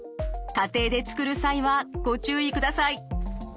家庭で作る際はご注意ください。